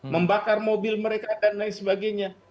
membakar mobil mereka dan lain sebagainya